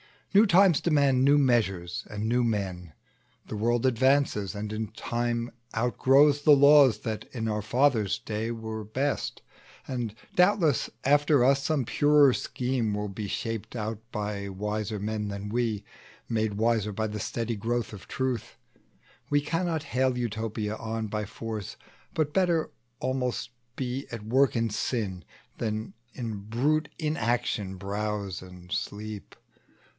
New times demand new measures and new men; The world advances, and in time outgrows The laws that in our fathers' day were best; And, doubtless, after us, some purer scheme Will be shaped out by wiser men than we, Made wiser by the steady growth of truth. We cannot bring Utopia by force; But better, almost, be at work in sin; Than in a brute inaction browse and sleep.